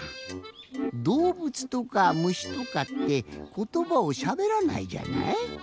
どうぶつとかむしとかってことばをしゃべらないじゃない？